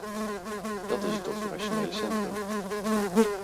Dat is het operationele centrum.